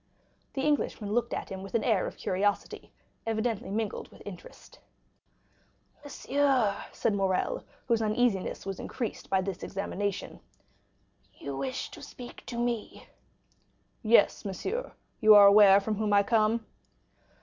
The Englishman looked at him with an air of curiosity, evidently mingled with interest. "Monsieur," said Morrel, whose uneasiness was increased by this examination, "you wish to speak to me?" "Yes, monsieur; you are aware from whom I come?"